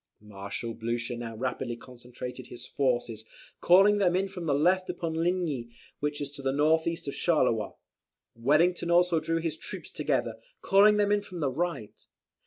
Marshal Blucher now rapidly concentrated his forces, calling them in from the left upon Ligny, which is to the north east of Charleroi. Wellington also drew his troops together, calling them in from the right.